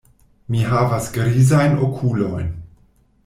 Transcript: Mi havas grizajn okulojn.